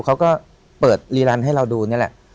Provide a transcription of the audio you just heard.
เขาก็เปิดรีลันให้เราดูนี่แหละ